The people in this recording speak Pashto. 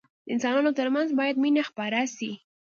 د انسانانو ترمنځ باید مينه خپره سي.